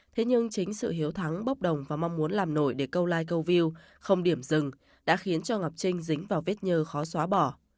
thế nhưng chính sự hiếu thắng bốc đồng và mong muốn làm nổi để câu like câu view không điểm dừng đã khiến cho ngọc trinh dính vào vết nhơ khó xóa bỏ